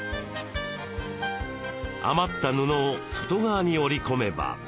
余った布を外側に折り込めば。